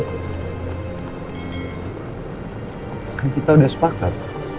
kan kita udah sepakat